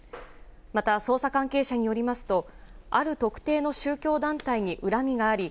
また捜査関係者によりますと、ある特定の宗教団体に恨みがあり、